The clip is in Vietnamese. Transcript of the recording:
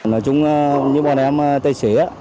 nói chung như bọn em tài xế